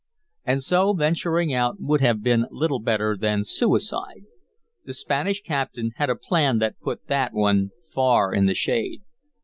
And so venturing out would have been little better than suicide. The Spanish captain had a plan that put that one far in the shade.